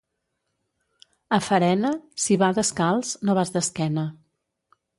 A Farena, si va descalç, no vas d'esquena.